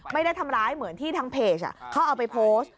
ไม่ได้ทำร้ายเหมือนที่ทางเพจเขาเอาไปโพสต์